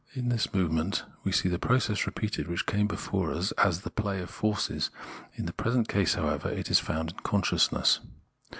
In this movement we see the process repeated which came before us as the play of forces ; in the present case, however, it is found in consciousness.